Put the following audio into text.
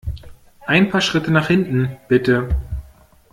Ein paar Schritte nach hinten, bitte!